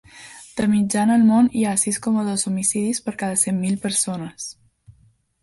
De mitjana al món hi ha sis coma dos homicidis per cada cent mil persones.